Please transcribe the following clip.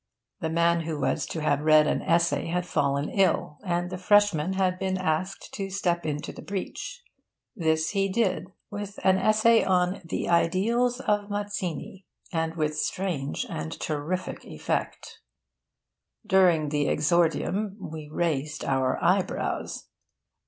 The man who was to have read an essay had fallen ill, and the freshman had been asked to step into the breach. This he did, with an essay on 'The Ideals of Mazzini,' and with strange and terrific effect. During the exordium we raised our eyebrows.